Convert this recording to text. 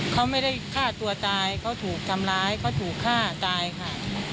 เขาไม่ได้ฆ่าตัวตายเขาถูกทำร้ายเขาถูกฆ่าตายค่ะ